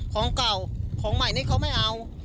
ของเก่าของใหม่นี้เขาไม่เอา